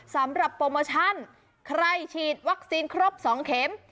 สำหรับโปรโมชั่นใครฉีดวัคซีนครบ๒เข็ม